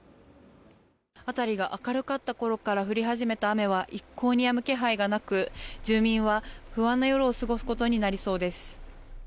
辺りが明るかったころから降り始めた雨は一向にやむ気配がなく住民は不安な夜を過ごすことになりそうです。